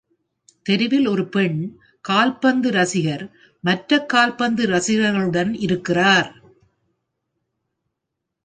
தெருவில் ஒரு பெண் கால்பந்து ரசிகர் மற்ற கால்பந்து ரசிகர்களுடன் இருக்கிறார்.